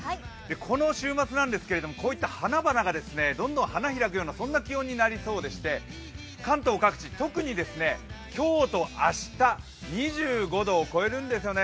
この週末なんですけれども、こういった花々が花開くようなそんな気温になりそうでして、関東各地、特に今日と明日、２５度を超えるんですよね。